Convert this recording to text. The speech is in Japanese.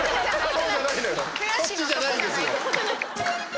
そっちじゃないですよ！